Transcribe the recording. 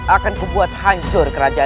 akan kubuat hancur kerajaan